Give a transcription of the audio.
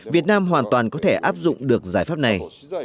việt nam hoàn toàn có thể áp dụng được giải pháp này